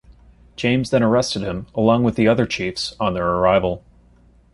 James then arrested him, along with the other chiefs, on their arrival.